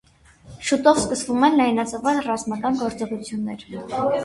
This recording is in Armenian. Շուտով սկսվում են լայնածավալ ռազմական գործողություններ։